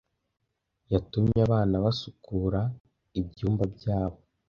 Yatumye abana basukura ibyumba byabo.